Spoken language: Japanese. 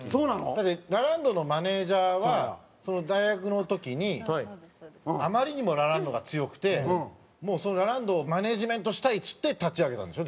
だってラランドのマネジャーは大学の時にあまりにもラランドが強くてラランドをマネジメントしたいっつって立ち上げたんでしょ？